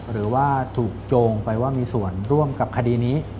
หรือว่าถูกโจงไปว่ามีส่วนร่วมกับคดีนี้